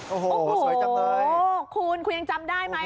โอ้โหสวยจังเลยโอ้คุณคุณยังจำได้ไหม